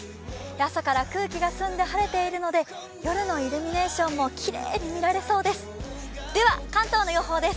朝から空気が澄んで晴れているので夜のイルミネーションもきれいに見られそうです。